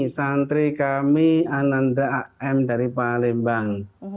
santri kami ananda a m dari palembang